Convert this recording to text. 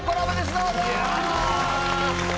どうぞ！